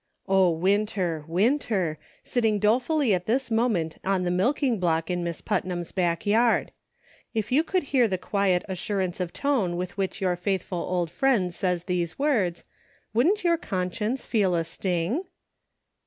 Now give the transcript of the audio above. O Winter, Winter ! sitting dolefully at this "WILL YOU ?" 8l moment on the milking block in Miss Putnam's back yard ! if you could hear the quiet assurance of tone with which your faithful old friend says these words, wouldn't your conscience feel a sting